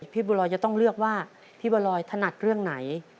พี่บัวรอยจะต้องเลือกว่าพี่บัวรอยถนัดเรื่องไหน